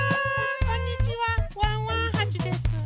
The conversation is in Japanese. こんにちはワンワンはちです。